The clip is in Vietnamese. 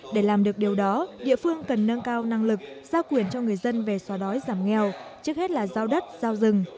để làm được điều đó địa phương cần nâng cao năng lực giao quyền cho người dân về xóa đói giảm nghèo trước hết là giao đất giao rừng